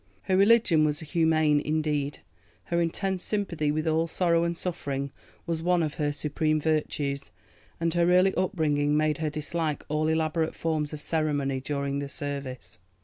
Her religion was 'humane' indeed, her intense sympathy with all sorrow and suffering was one of her supreme virtues, and her early upbringing made her dislike all elaborate forms of ceremony during the service.